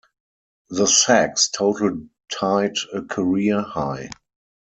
The sacks total tied a career-high.